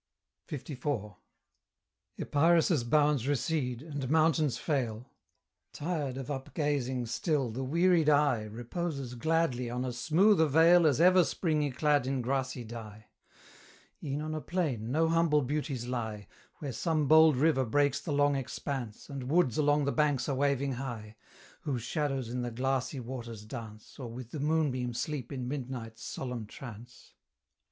LIV. Epirus' bounds recede, and mountains fail; Tired of up gazing still, the wearied eye Reposes gladly on as smooth a vale As ever Spring yclad in grassy dye: E'en on a plain no humble beauties lie, Where some bold river breaks the long expanse, And woods along the banks are waving high, Whose shadows in the glassy waters dance, Or with the moonbeam sleep in Midnight's solemn trance.